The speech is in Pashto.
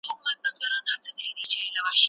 نړیوال سازمانونه د بشري پرمختګ لپاره پلانونه لري.